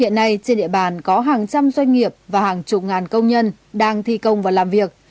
hiện nay trên địa bàn có hàng trăm doanh nghiệp và hàng chục ngàn công nhân đang thi công và làm việc